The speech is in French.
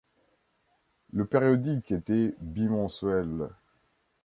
Le périodique était bimensuel.